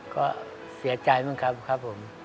ก็เสียใจมั้งครับผม